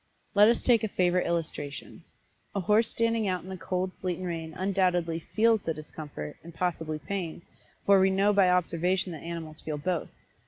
Let us take a favorite illustration. A horse standing out in the cold sleet and rain undoubtedly feels the discomfort, and possibly pain, for we know by observation that animals feel both.